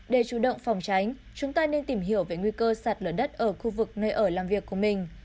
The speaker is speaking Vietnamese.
để chủ động phòng tránh chúng ta nên tìm hiểu về nguy cơ sạt lở đất ở khu vực nơi ở làm việc của mình